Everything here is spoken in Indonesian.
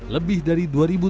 lebih dari dua tujuh ratus